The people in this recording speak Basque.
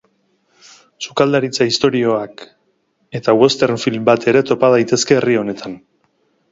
Sukaldaritza istorioak eta western film bat ere topa daitezke herri honetan.